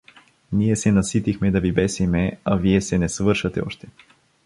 Ние се наситихме да ви бесиме, а вие се не свършате още.